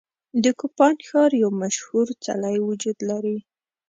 د کوپان ښار یو مشهور څلی وجود لري.